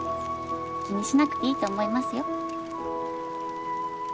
気にしなくていいと思いますよ。